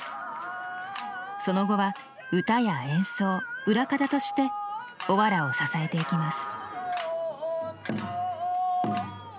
その後は唄や演奏裏方としておわらを支えていきます。